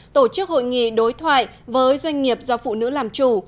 tổ chức hội nghị đối thoại với doanh nghiệp do phụ nữ làm chủ